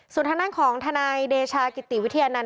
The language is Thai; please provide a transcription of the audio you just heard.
ส่วนทางด้านของทนายเดชากิติวิทยานันต